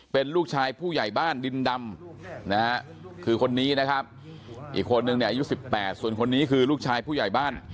เป็นลูกชายผู้ใหญ่บ้านดินดำนะฮะคือคนนี้นะครับอีกคนนึงเนี่ยอายุ๑๘ส่วนคนนี้คือลูกชายผู้ใหญ่บ้าน